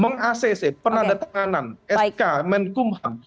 meng acc penandatanganan sk menkumham